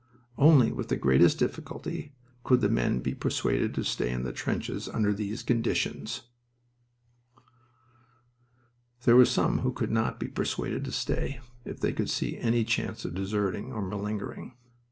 "Only with the greatest difficulty could the men be persuaded to stay in the trenches under those conditions." There were some who could not be persuaded to stay if they could see any chance of deserting or malingering.